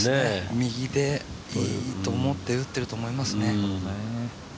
右でいいと思って打っていると思いますね。